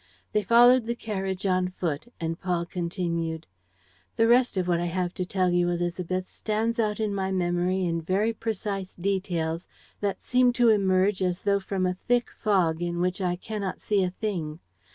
They followed the carriage on foot; and Paul continued: "The rest of what I have to tell you, Élisabeth, stands out in my memory in very precise details, that seem to emerge as though from a thick fog in which I cannot see a thing.